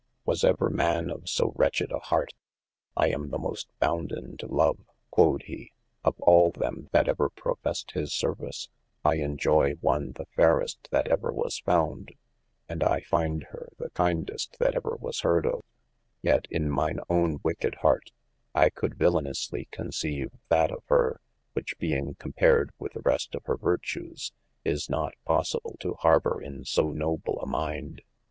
Was ever man of so wretched a heart ? I am the most bounden to love (quod he) of all them that ever p[rof]essed his service, I enjoy one the fayrest that ever was found, and I finde hir the kindest that ever was hearde of: yet in mine owne wicked heart, I coulde vilanously conceyve that of hir, which being compared with the rest of hir vertues, is not possible to harbour in so noble a mind.